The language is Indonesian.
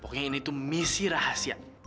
pokoknya ini tuh misi rahasia